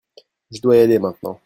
Je dois y aller maintenant.